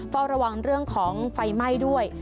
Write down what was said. เฝ้าระวังเรื่องของไฟไหม้ด้วย